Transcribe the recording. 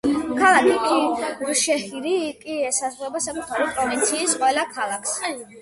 ქალაქი ქირშეჰირი კი ესაზღვრება საკუთარი პროვინციის ყველა ქალაქს.